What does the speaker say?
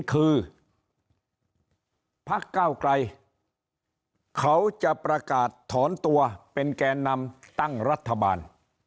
คือพักเก้าไกรเขาจะประกาศถอนตัวเป็นแกนนำตั้งรัฐบาล